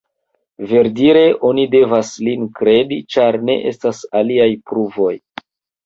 Verdire oni devas lin kredi, ĉar ne estas aliaj pruvoj.